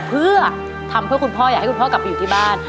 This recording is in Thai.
เพื่อทำเพื่อคุณพ่ออยากให้คุณพ่อกลับไปอยู่ที่บ้าน